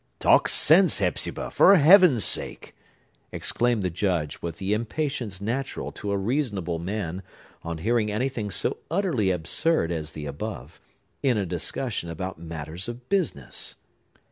"Talk sense, Hepzibah, for Heaven's sake!" exclaimed the Judge, with the impatience natural to a reasonable man, on hearing anything so utterly absurd as the above, in a discussion about matters of business.